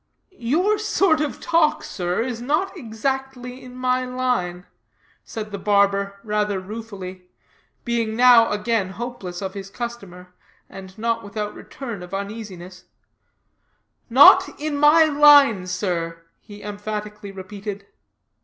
"Your sort of talk, sir, is not exactly in my line," said the barber, rather ruefully, being now again hopeless of his customer, and not without return of uneasiness; "not in my line, sir," he emphatically repeated.